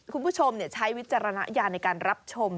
คุณผู้ชมใช้วิจารณญาณในการรับชม